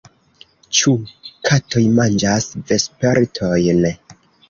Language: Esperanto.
Ĉu katoj manĝas vespertojn?